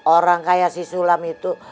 orang kaya si sulam itu